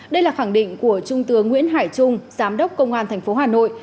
đây là khẳng định của trung tướng nguyễn hải trung giám đốc công an tp hà nội